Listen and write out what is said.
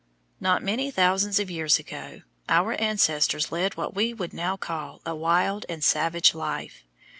Not many thousands of years ago our ancestors led what we would now call a wild and savage life.